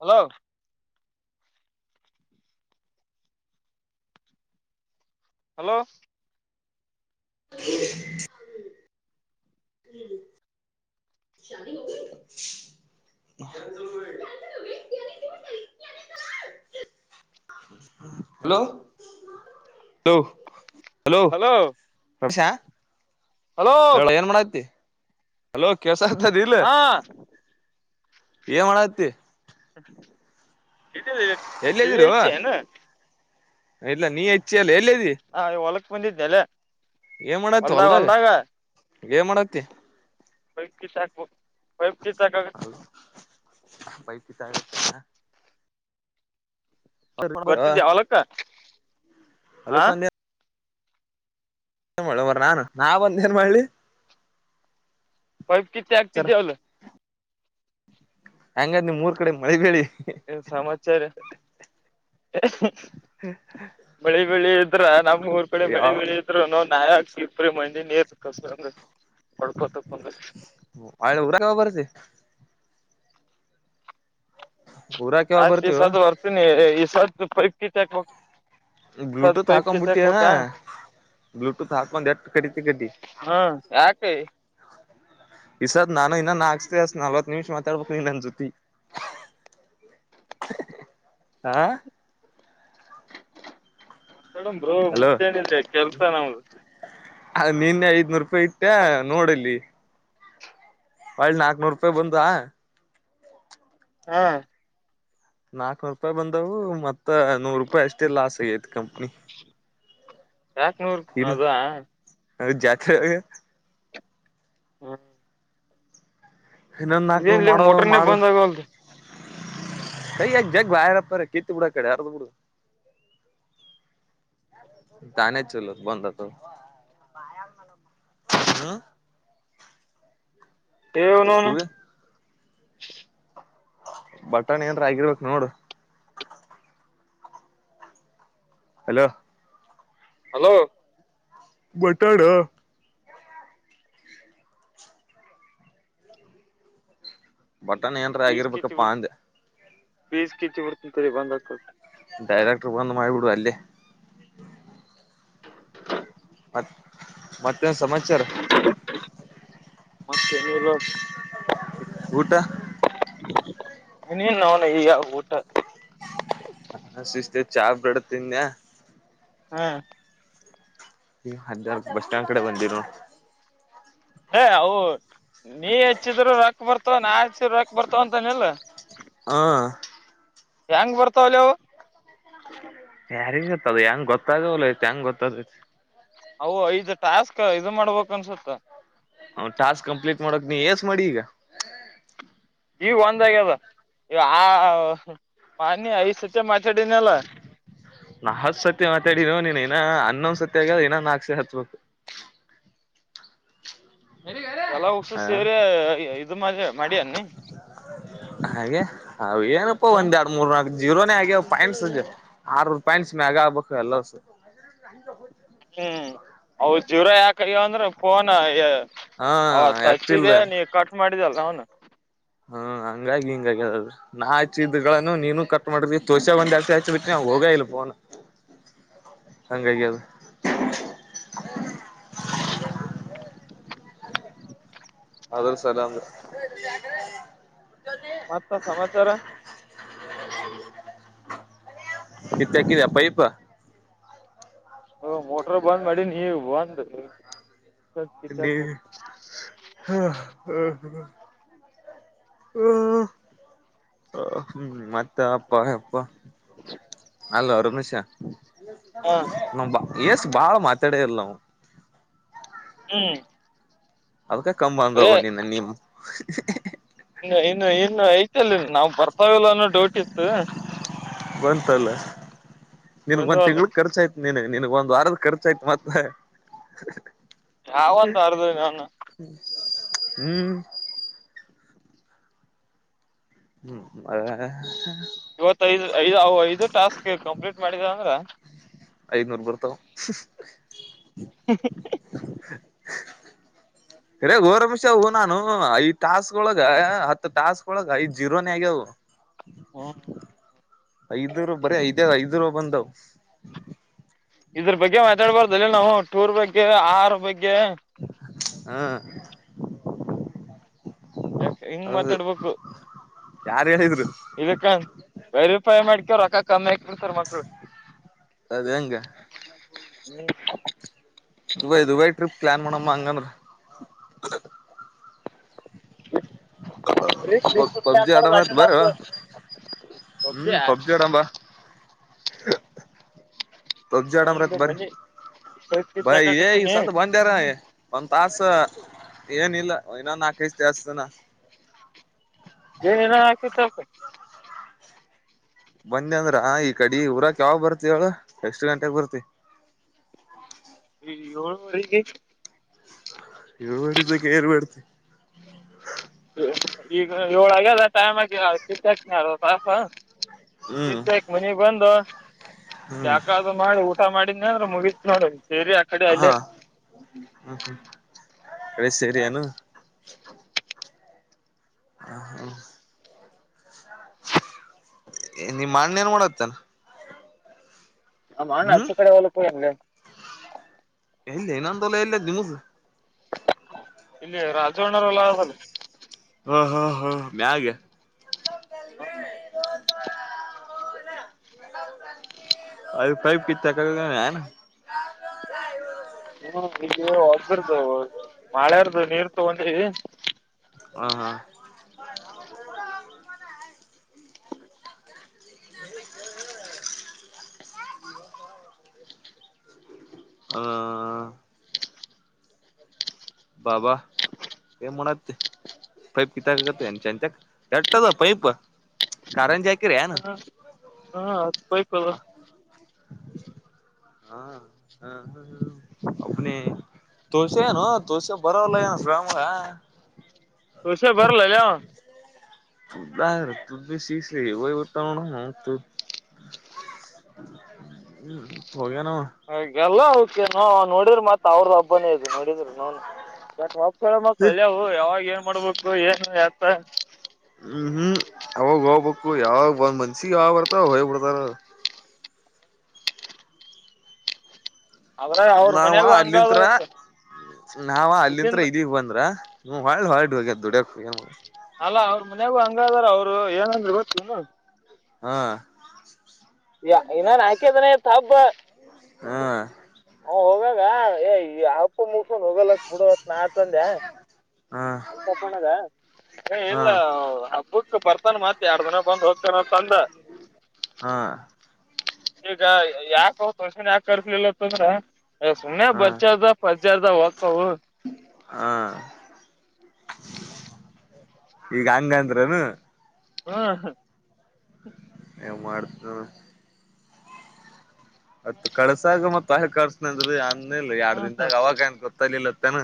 hello hello ಹ್ಮ ಹ್ಮ್ ಶ ಹಲೋ ಹಲೋ ಹಲೋ ರಶಾ ಹಲೋ ಏನ್ ಮತಿ ಹಲೋ ಕೆಸ ದಲ ಹಾ ಏ ಮಾಡತಿ ಇದ ಎಲ್ಲದಿರು ಇಲ್ಲ ನೀ ಹೆಚ್ಚಿ ಅಲ್ಲ ಎಲ್ಲಿದ್ದಿ ಹಾ ಹೊಲಕ್ ಬಂದಿದಲ್ಲ ಹೊಲ್ದಾಗ ಹೊಲ್ದಾಗ ೇ ಮಾಡತ್ತತಿ ಪೈಪ್ಗೆ ಸಾಕ್ಬೋ ಪೈಪ್ಗೆ ಸಾಕ ಪೈಕ ಸಾರ ಬರ್ತಿದ್ದಿ ಅವಲಕ್ಕ ಹ ಹೊಲಕ್ ಏನ್ ಮಾಡ ಬರ ನಾನುಾ ಬಂದ ಏನ್ ಮಾಡಲಿ ಪೈಪ್ ಕಿತ್ತ ಆಗಟ ಸರ ದೇವಲ್ಲ ಹಂಗಾದ್ ನಿಮ್ ಮೂರ್ ಕಡೆ ಮಳಿಬೇಿ ಏ ಸಮಾಚಾರ ಮಳೆ ಬೆಳಿ ಇದ್ರ ನಮ್ಮ್ ಊರ್ ಕಡೆ ಮಳೆ ಯಾವ ಬೆಳಿ ನಾವು ನಾಯ ಕಿರ್ಪ್ರೀ ಮಣಂಡಿ ನೀೇತ್ ಕಸ ಅಂದ್ರೆ ಹೊಡ್ಕೋತಂದ್ರೆ ಅವಳೆ ಊರ ಬರ್ಸಿ ಊರಾಕ ಯಾವಾಗ ಆಯ್ತ್ ಈ ಬರ್ತೀವ ಸದ ಬರ್ತೀನಿ ಈ ಸತ್ ಪೈಪ್ ಕಿಟ್ ಹಾಕ್ಬೇಕು ಬ್ಲೂಟೂತ್ ಹಾಕೊ್ ಬಿಿಟ್ಟಿ ಅನಾ ಬ್ಲೂಟೂತ್ ಹಾಕೊಂಡ್ ಎಟ್ಟ ಕಟ್ಟತಿ ಕಟ್ಟಿ ಹ್ಮ ಯಾಕ ಈಸಾದ ನಾನು ಇನ್ನಾಕ್ಸ್ತ ಅಸ್ ನಲ್ವತ್ ನಿಮಿಷ ಮಾತಾಡ್ಬೇಕು ನೀನ್ ನನ್ ಜೊತಿ ಆಾ ಕೇಡ್ರೂ ಮತ್ತೇನಿದ ಕೆಲ್ಸ ನಮ್ದು ಅ ನಿನ್ನೆ ಐದನೂರು ರೂಪಾಯಿ ಇಟ್ಟೆ ನೋಡಲ್ಲಿ ಒಳ್ಳಿ ನಾಕ್ನೂರು ರೂಪಾಯಿ ಬಂದ ಹಾ ನಾಕ್ನೂರು ರೂಪಾಯಿ ಬಂದವು ಮತ್ತ ನೂರು ರೂಪಾಯಿ ಅಷ್ಟೇ ಲಾಸ್ ಆಗೈತಿ ಕಂಪ್ನಿ ಚಾಕ್ನೂರ್ ಅದ ಅೌ ಜಾತ್ರೆ ಹ್ಮ್ ಇನ್ನೊಂದು ನಾಲ್ಕುನೂರು ಇದೇನ್ಲೇ ಮಾಡು ಮೋಟರ್ನೇ ಮಾಡು ಬಂದ್ ಆಗವಲ್ದು ಸೈ ಯ ಜಗ ಬಪ್ಪ ಕರ್ತ್ತ ಬುಡ ಕಡೆ ಯಾರದು ಬಿುಡ ತಾನ ಚಲೋ ಬಂದತ್ತು ಹ್ಮ್ ನೋನು ಹ್ಮ್ ಬಟ್ಟಾಣಿ ಏನ ಆಗಿರ್ಬೇಕಕ್ ನೋಡು ಹಲೋ ಹಲೋ ಬಟಾಡ ಬಟಣ ಏನ್ರ ಆಗಿರ್ಬೇಕಪ್ಪಾ ಅಂದೆ ವೀಜ ಕಿತಿ ಬರ್ತ ತರಿ ಬಧ ಡೈರೆಕ್ಟ್ರ್ ಬಂದು ಮಾಡ್ಬಿಡುುವ ಅಲ್ಲೇ ಮತ್ ಮತ್ತೇನ್ ಸಮಾಚಾರ ಮತ್ತೇನ ಇಲ್ಲ ಊಟ ಇನ ನನ ಈಗ ಊಟ ಹ ಸಿಸ್ತೇ ಚಾ ಬಿಡತನ್ಯ ಹ್ಮ ಈ ಅ ಬಸ್ ಸ್ಟ್ಯಾಂಡ್ ಕಡೆ ಬಂದಿ್ ಏ ಅವು ನೀ ಹೆಚ್ಚಿದ್ರರು ರೊಕ್ ಬರ್ತಾವ ನಾ ಹೆಚ್ಚಿದ ರೊಕ್ಕ ಬರ್ತವ ಅಂತನಿಲ್ಲ ಹಾ ಹೆಂಗ್ ಬರ್ತಾವಲವು ಯಾರಿಗ ಗೊತ್ತದ ಹೆಂಗ ಗೊತ್ತಾಗಲ ಹೆಂಗ ಗೊತ್ತ ಅ ಐದು್ ಟಾಸ್ಕ್ ಇದು ಮಾಡ್ಬೇಕಕ್ ಅನ್ಸುತ್ತ ಅವ್ ಟಾಸ್ ಕಂಪ್ಲೀಟ್ ಮಾಡೋಕ್ ನೀ ಯಸ್ ಮಾಡಿ ಈಗ ಈ ಒಂದಗ್ಯದ ಆ ಮಾಾನಿ ಐ ಸತ್ತ ಮಾತಾಡಿನ ಅಲ್ಲ ನಾ ಹತ್ ಸತ್ಯ ಮಾತಾ ನೋ ನೀನ್ ಇನ್ನ ಹನ್ನೊಂದ್ ಸತ್ಯ ಆಗ್ಯದ ಇನ ನಾಕಸೆ ಹತ್ಬಬೇಕು ಎಲ್ಲ ಹಗ್ಸ ಹ ಸೇರಿ ಇದು ಮ ಮಿ ಅನ್ನಿ ಹಾಗೆ ಅ ಏನಪ್ಪ ಹ್ಮ್ ಒಂದೆರಡು ಮೂ ಜೀರೋನೇ ಆಗ್ಯ ಪಾಯಿಂಟ್ಸ್ ಆರುೂ ಪಾಯಂಟ್ಸ್ ಮ್ಯಾಗ ಆಗ್ಬೇಕು ಎಲ್ಲ ಹ್ಮ್ ಅವ ಜಿವರ ಯಾಕಯ್ಯೋ ಅಂದ್ರ ಫೋನಾ ಹಾ ಅವತ್ ಎತ್ತಿಲ್ಲ ಹಚ್ಚಿದೆ ನೀ ಕಟ್ ಮಾಡಿದಲ್ಲ ಅವನು ಹ್ಮ ಹಂಗಾಗಿ ಹಿಂಗಾಗಿಾದರು ನಾ ಆಚಿದ ಇದ್ಗಳನ್ನುನು ನೀನು ಕಟ್ ಮಾಡಿದ್ವಿ ತೋಸೆ ಬಂದ ಆತಿ ಆಚ ಬಿಿ ನ್ ಹೋಗ ಇಲ್ ಫೋನ್ ಹಂಗಾಗದು [inaudible] ಅದನ್ ಸಲ ಅ ಜೊತೆ ಮತ್ತ ಸಮಾಚಾರ ನಿತ್ತ ಹಾಕಿದ ಪೈಪ್ ಹ ಮೋಟ್ರ ಬಂದ್ ಮಾಡಿ ನೀವು ಬಂದು ಹ್ಮ ಹ್ಮ ಹ ಹ ಮತ್ತೆ ಅಪ್ಪ ಅಪ್ಪ ಅಲ್ ಅವ ರಮೇಶ ಹ ನಾ ಎಸ್ ಬಾಳ ಮಾತಾಡಲ್ಲವು ಹ್ಮ್ ಅದ್ಕ ಕಂಬ್ ಏ ಬಂದೋಗ ನೀನ್ನ ನಿಮ ಇ ಇನ್ನು ಇನ್ನು ಐತಲ್ಲಿ ನಾವ್ ಬರ್ತಾವಲ್ಲ ಅನ್ನೋ ಡೋಟಿತ್ತು ಬಂತಲ್ಲ ನಿನ್ಗ್ ಒಂದ್ ಬಂದವಲ್ಲ ತಿಂಗಳ ಖರ್ಚ ಆಯ್ತು ನೀನು ನಿನಗ್ ಒಂದ್ ವಾರದ ಖರ್ಚ ಆಯ್ತು ಮತ್ತೆ ಯಾವಂತ ಅರ್ದ ನ ಹ್ಮ ಹ್ಮ್ ಹ್ಮ್ ಅ ಇವತ್ತೈದು್ ಐದು ಐದು ಟಾಸ್ಕ್ ಕಂಪ್ಲೀಟ್ ಮಾಡಿದ ಅಂದ್ರ ಐನೂರು ಬರ್ತಾವ ಹ ರೇ ೋರಮಿಷೂ ನಾನು ಐದ್ ತಾಾಸ ಒಳ ಹತ್ತು ತಾಸ್ಗಳೊಳಗ ಐದ್ ಜೀರೋನೇ ಆಗ್ಯವು [unintelligible] ಐದು ರೂ ಬರ ಐದ ಐದ್ ರೂ ಬಂದವು ಇದ್ರ ಬಗ್ಗೆ ಮಾತಾಡ್ಬಾರ್ದ ಅಲ್ಲ ನಾವು ಟೂರ್ ಬಗ್ಗೆ ಆಹಾರ ಬಗ್ಗೆ ಹ್ಮ ಯಾಕ ಹಿಂಗ್ ಮಾತಾಡ್ಬೇಕು ಯಾರ್ ಹೇಳಿದ್ರು ಇದಕ್ಕ ವೆರಿಫೈ ಮಾಡ್ಕವ್ರ ರೊಕ್ಕ ಕಮ್ಮಿ ಆಕ್ತಿಡ್ ಸರ್ ಮಕ್ಳು ಅದ ಹೆಂಗ ಹ್ಮ್ ದುಬೈ ದುಬೈ ್ರಿಪ್ ಪ್ಲಾನ್ ಮಾಡಮ್ಮಂಗಂದ ನ್ ಪಬ್ಜಿ ಮಾಡುದು ಆಡಮತ್ ಅಷ್ಟೆ ನಮ ಬರ ಹೋಗ್ದಾ ೇಡಂಬ ತ ಜ ಒಂದ್ ಆಡ್ರತ್ ಬರಿ ಮನಿ ಇಪ್ಪತ್ ಕಿಚ್ ಬಾಯ ಏ ಹಾಕಾಕತ್ತೀನಿ ಸ ಬ ಡಾರ ಪ ತಾಸ ಏನಲ್ಲ ನಾ ನಾಕಸತೆ ಅತಾನ ಏನ್ ಏನ ಹಾಕತ ಬಂದಿ ಅಂದ್ರ ಈ ಕಡೆ ಊರಕ್ ಯಾವಾಗ ಬರ್ತಿವಳು ಎಕ್ಷ್ಟ್ ಗಂಟೆೆಗೆ ಬರ್ತಿ ಹ ಹ ಹೊಗ ಇವರಿದ್ದಕ್ಕೆ ಏರ್ಬಡ್ತಿ ಈಗ ಏಳಾಗಲ್ಲ ಟೈಮ್ ಆಗ ಕತ್ತಾಕ್ನ ಪಪ ಹ್ಮ್ ಇಕ್ ಮನಗ್ ಬಂದು ಹ್ಮ್ ಯಾಕ ಮಾಡಿ ಊಟ ಮಾಡಿದ ಅಂದ್ರೆ ಮುಗತ್ ನೋಡ್ ಸರಿ ಹಾ ಹ ಹ ಕಳಿ ಸೀರೀನು ಹ ಹಾ ನಿ ಮಣ್ಣೇನ್ ಮಾಡಾಕತ್ಯನ ನಮ್ ಅಣ್ಣ ಹ್ಮ್ ಆಚೆಕಡೆ ಹೊಲಕ್ ಹೋಗೇನ್ಲೆ ಎಲ್ಲಿ ಇನಂದೋಲ್ಲ ಎಲ್ಲದ್ ನಿಮೊದು ಇಲ್ಲಿ ರಾಜವಣ್ಣರ ಹೊಲ [unintelligible] ಹಾ ಹಾ ಹಾ ಮ್ಯಾಗ ಹಾ ಅದು ಪೈಪ್ ಕಿತಾಕದೆನ್ ಹ್ಮ ಇಲ್ಲಿ ಒದಬರದು ಮಳೆಯಾರದುು ನೀರ್ ತಗೊಂಡಿ ಹ ಹಾ ಹ ಬಾ ಬಾ ಏನ್ಮಾಡಖತಿ ಪೈಪ್ಕಿತ್ತ ಕತ ಚಂತಕ್ ಎಟ್ಟತದು ಪೈಪ ಕಾರಂಜಿ ಆಕ ರನು ಹ್ಮ್ [inaudible] ಹ ಹಾ ಹಾ ಹ್ಮ ಅನ ತೋಸೆ ಏನು ತೋಸೆ ಬರೋಲ್ಲ ಏನು ಶ್ರಾಮ [unintelligible] [unintelligible] ಹುಷ ಬರಲ್ಲಲ್ಲಯ ತು ಶೀ ಇವಟ್ಟ ನ ಹ್ಮ್ ಹೋಗ ನ ಹಾಗಲ್ಲ ಕೆ ನಾ ನೋಡಿದ್ರೆ ಮತ್ತ ಅವ್ರದ ಹಬ್ಬನೇ ಇದು ನೋಡಿದ್ರು ನ ಮಳ ಯಾವಾಗ ಏನ್ ಮಾಡ್ಬೇಕು ಏನ್ ಯತ ಹ್ಮ್ ಹ್ಮ್ ಅವಾಗ ಹೋಗ್ಬೇಕು ಯಾವಾಗ ಒಂದ್ ಮನ್ಸಿಗೆ ಯಾವ್ ಬರ್ತಾವ ಹೋಗ್ಬ ಬಿಡ್ತಾರ ಅದ್ರಾಗ ಅವ್ರ ನಾವ ಮನ್ಯಾಗು ಹಂಗ ಅಲ್ಲಿತ್ರ ಅದಾರಪ್ಪ ನಾವ ಅಲ್ಲಿತ್ರ ಇದಿಂದ ಇದಗ್ ಬಂದ್ರ ಹ್ಮ್ಳ್ಳ ಹೊಳ್ಳ ು ಹೋಗ್ಯ ದುಡ ಹ ಅಲ್ಲಾ ಅವ್ರ ಮನೆಗೂ ಹಂಗಾದಾರ ಅವ್ರು ಏನಂದ್ರೆ ಗೊತ್ತ ಹಾ ಯ ಇನ್ನಾನ ಹಾಕದನೆೆ ತಬ್ಬ ಹಾ ಹ ಹೋಗಾಗ ಅಪ್ಪ ಮುಸನ್ ಹೋಗಲಕ್ ಬಿಡವತ್ ನಾ ಹಾ ಅಲ್ ತಪಣದ ಅ ಹಾ ಲ್ಲಬ್ಬ ಬರ್ತಾನ ಮತ್ತತ್ ಎರಡ್ ದನ ಬಂದ ಹೋಗ್ತಾನ ತಂದ ಹಾ ಈಗ ಯಾಕ ತಷನ್ ಯಾಕ ಕರ್ಲಿಲ್ಲ ತಂದ್ರ ಸುಮ್ಮ್ನೆ ಹಾ ಬಚದ ಪಜಾರದ ಹಾಕವು ಹಾ ಈಗ ಹಂಗಂದ್ರನು ಹಾ ಹಾ ಯವು ಮಾಡ್ತ ಅತ್ ಕಳ್ಸಾಗ ಮತ್ ಆೆ ಕಳಸನಂದ್ರರು ಅಂದ ಇಲ್ ಎರಡ್ ಹ್ಮ ದನ್ದಾಗ ಅವಾಗ ನ್ ಗೊತ್ತಲಿಲ್ಲತ್ತನ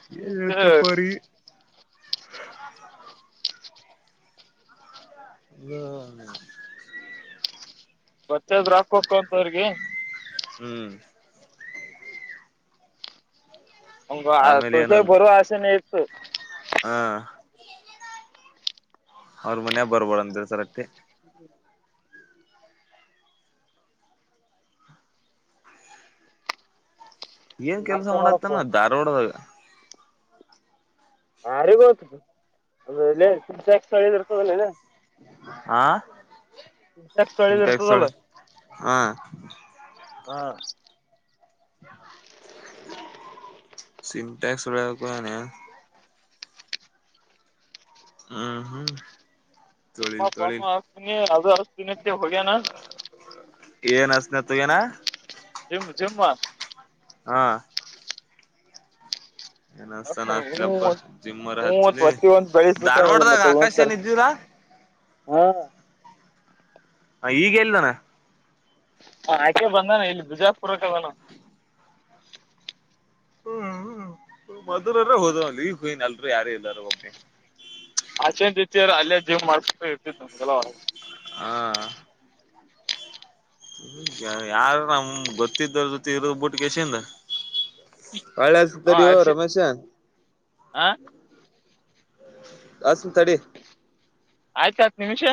ಹ್ಮ್ ಇ ಈಗ ತ ಪರಿ ಹ್ಮ್ ಬತ್ತೆಾದ್ರರು ಹಾಕೋಬೇಕ ಅಂತ ಅವ್ರಿಗೆ ಹ್ಮ್ ಮ ಆಮೇಲೆ ತುಳಸ ಬರುವ ಅಸೆನ ಇತ್ತು ಹ್ಮ ಅವ್ರ ಮನ್ಯ ಬರ್ಬೋಡ ಅಂದ್ರೆ ಸರ್ಟ್ಟಿ ಹ್ಮ್ ಏನ್ ನಾಕ ಕೆಲ್ಸ ನೋಡಪ್ಪ ಮಾಡತ್ತನ ಧಾರ್ವಾಡದಾಗ ಆಾರಿಗೋತ ಅಳ ಇರ್ತದನ ಆ ಚ ಸಳ ಸಿಂಟ್ಯಾಕ್ಸ್ ಜರ್ತಲ್ಲ ಒಳಗ ಹಾ ಹಾ ಸಿಮಟೆ ಒನ ಹ್ಮ ಹ್ಮ ನಿಮ್ಮ ಪಾನ ಹಾಕ್ತೀನಿ ಅದು ಅಷ್ಟ ದಿನಕ್ಕೆ ಹೋಗ್ಯನಾ ಏನ್ ಅಸನತ್ ಏನಾ [inaudible] ಜಿಮ್ ಜಿಮ್ ಹಾ ಏನಸ್ತಾನ ಹವ ಹತ್ಲಪ್ಪ ಜಿಮ್ಮರ್ ಹವತ್ ಹಚ್ಚಲಿ ಒತ್ತಿ ಒಂದ ಬಯಸ್ ಬಿಿಟ್ಟಲ್ಲ ಧಾರವಾಡದಾಗ ಆಕಾಶ ಮತ್ತಕ ಏನ್ ಇದ್ದಿಲ್ಲ ಹಾಂ ಹ ಈಗೇಲ್ದಾನ ಆಕೆ ಬಂದಾನ ಇಲ್ಲಿ ಬಿಜಾಪುರಕ್ಕೆ ಅದಾನ ಹ್ಮ್್ಮ್ ಹ್ಮ್ ಮದರರ ಹೋದ್ ಈ ಹೂವನ್ ಎಲ್ರು ಯಾರ ಇಲ್ಲಾರ ಒಬ್ಮ್ಮೆ ಆಶೆನ್ತಿಾರ ಅಲ್ಲೇ ಜಿಮ್ ಮಾಡ್ ಇರ್ತ ನಗೆಲ ಹಾ ಯಾರ ನಮ್ ಗೊತ್ತಿದ್ದ್ರ ಜೊತೆ ಇರದ ಬುಟ್ಟಸಿಂದ ಹಳೆಸತರಿವು ರಮೇಶ ಆಾ ಅಷ್ಟು ತಡೆ ಆಯ್ತತ್ ನಿಮಿಷ